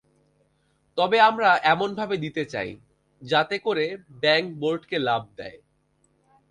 তবে আমরা এমনভাবে দিতে চাই, যাতে করে ব্যাংক বোর্ডকে লাভ দেয়।